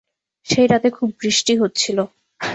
সেই রাতে খুব বৃষ্টি হচ্ছিল।